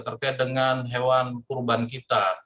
terkait dengan hewan kurban kita